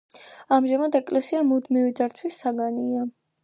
ამჟამად ეკლესია მუდმივი ძარცვის საგანია.